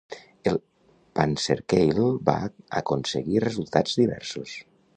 El "panzerkeil" va aconseguir resultats diversos.